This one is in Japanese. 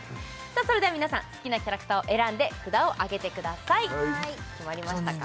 それでは皆さん好きなキャラクターを選んで札をあげてください決まりましたか？